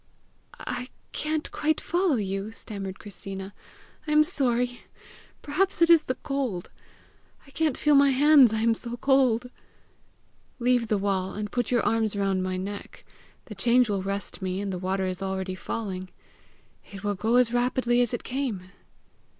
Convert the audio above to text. "I can't quite follow you," stammered Christina. "I am sorry. Perhaps it is the cold. I can't feel my hands, I am so cold." "Leave the wall, and put your arms round my neck. The change will rest me, and the water is already falling! It will go as rapidly as it came!"